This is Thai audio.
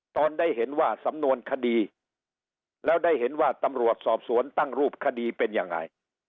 ตอนได้เห็นว่าสำนวนคดีแล้วได้เห็นว่าตำรวจสอบสวนตั้งรูปคดีเป็นยังไง